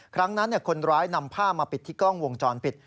ครั้งนั้นคนร้ายนำผ้ามาปิดที่กล้องวงจรปิด